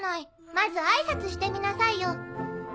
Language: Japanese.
まず挨拶してみなさいよ。